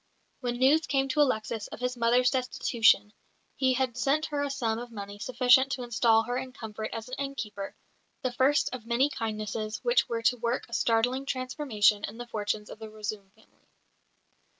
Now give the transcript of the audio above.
When news came to Alexis of his mother's destitution he had sent her a sum of money sufficient to install her in comfort as an innkeeper: the first of many kindnesses which were to work a startling transformation in the fortunes of the Razoum family.